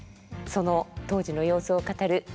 その当時の様子を語る